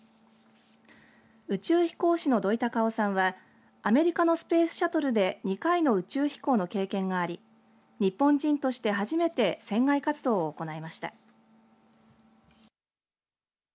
宇宙飛行士の土井隆雄さんはアメリカのスペースシャトルで２回の宇宙飛行の経験があり日本人として初めて船外活動を行いました。